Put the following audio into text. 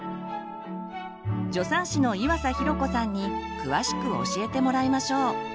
助産師の岩佐寛子さんに詳しく教えてもらいましょう。